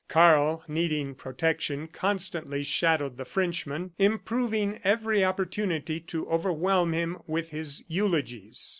Karl, needing protection, constantly shadowed the Frenchman, improving every opportunity to overwhelm him with his eulogies.